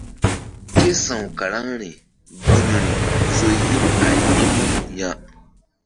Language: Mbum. Ké sa̧w karaŋri gun ri nzo yim a yi̧ŋu ya.